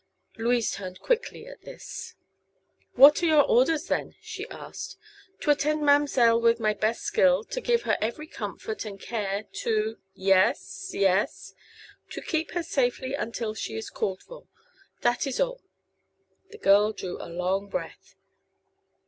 Louise turned quickly, at this. "What are your orders, then?" she asked. "To attend ma'm'selle with my best skill, to give her every comfort and care, to " "Yes yes!" "To keep her safely until she is called for. That is all." The girl drew a long breath.